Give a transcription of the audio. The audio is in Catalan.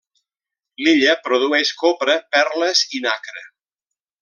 L'illa produeix copra, perles i nacre.